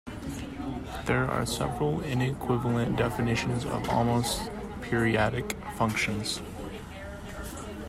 There are several inequivalent definitions of almost periodic functions.